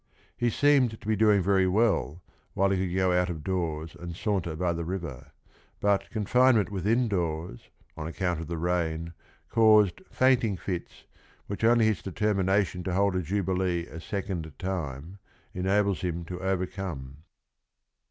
He seemed to be doing very well while he could go out of doors and saunter by the river, but confinement within doors, on ac count of the rain, caused "fainting fits" which only his determination to hold a Jubilee a second time, enables him to overcome.